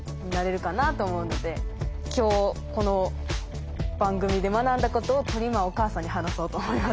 今日この番組で学んだことをとりまお母さんに話そうと思います。